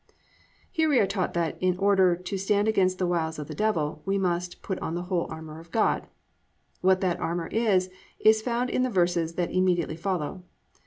"+ Here we are taught that, in order +"to stand against the wiles of the Devil"+ we must +"Put on the whole armour of God."+ What that armour is, is found in the verses that immediately follow.